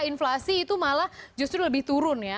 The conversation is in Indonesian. inflasi itu malah justru lebih turun ya